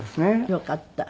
よかった。